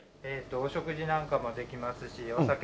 お食事なんかもできますしお酒もお出しして。